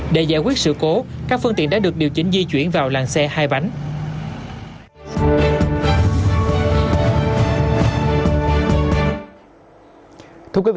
để giải quyết sự cố các phương tiện đã được điều chỉnh di chuyển vào làng xe hai bánh